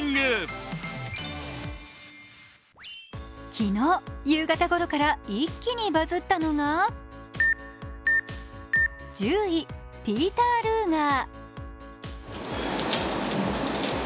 昨日夕方ごろから一気にバズったのが、１０位、ピーター・ルーガー。